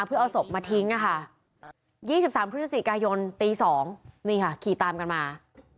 เพื่อเอาศพมาทิ้งค่ะ๒๓พฤศจิกายนตี๒นี่ค่ะขี่ตามกันมา